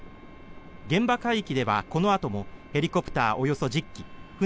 現場海域では、このあともヘリコプターおよそ１０機船